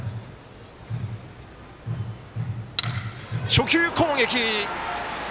初球攻撃！